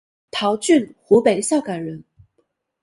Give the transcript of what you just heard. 陶峻湖北孝感人。